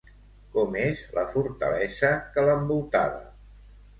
Com és la fortalesa que l'envoltava?